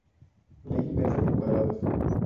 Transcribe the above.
Ley inversa de cuadrados.